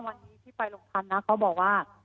วันนี้ที่ไปลงทันนะเขาบอกว่า